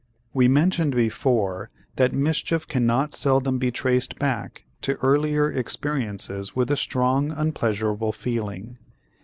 We mentioned before that mischief cannot seldom be traced back to earlier experiences with a strong unpleasurable feeling.